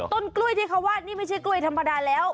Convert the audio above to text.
ต้นกล้วยที่เขาวาดนี่ไม่ใช่กล้วยธรรมดาแล้ว